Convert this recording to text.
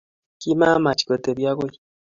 Kimamach kotebi akoi